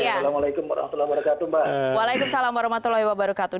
assalamualaikum warahmatullahi wabarakatuh